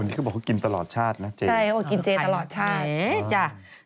คนที่ก็บอกว่ากินตลอดชาตินะเจ๊